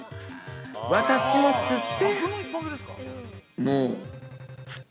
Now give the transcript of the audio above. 私も釣って